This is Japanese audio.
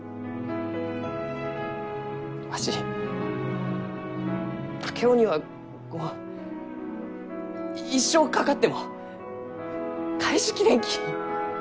わし竹雄にはこう一生かかっても返し切れんき。